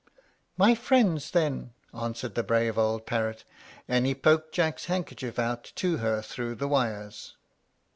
"My friends, then," answered the brave old parrot; and he poked Jack's handkerchief out to her through the wires.